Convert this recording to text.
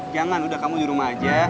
jangan udah kamu di rumah aja